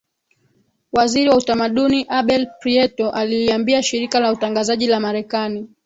waziri wa utamaduni Abel Prieto aliiambia shirika la utangazaji la marekani